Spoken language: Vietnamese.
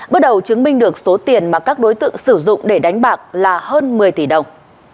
bước đầu chứng minh được số tiền mà các đối tượng sử dụng để đánh bạc là hơn một mươi tỷ đồng